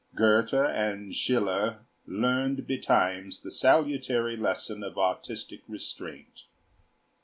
Goethe and Schiller learned betimes the salutary lesson of artistic restraint.